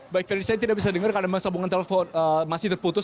baik tadi saya tidak bisa dengar karena sambungan telepon masih terputus